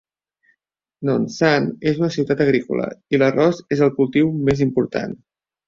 Nonsan és una ciutat agrícola, i l'arròs és el cultiu més important.